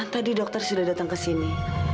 tadi dokter sudah datang ke sini